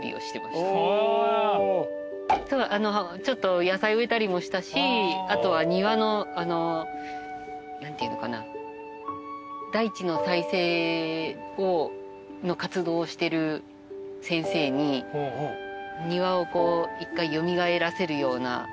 ちょっと野菜植えたりもしたしあとは庭の大地の再生の活動をしてる先生に庭を一回蘇らせるような。